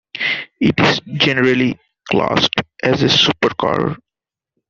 It is generally classed as a supercar.